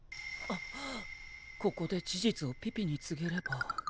あっここで事実をピピに告げれば。